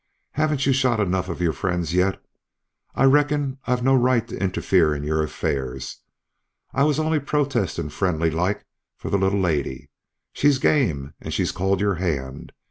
"Haven't you shot enough of your friends yet? I reckon I've no right to interfere in your affairs. I was only protestin' friendly like, for the little lady. She's game, an' she's called your hand.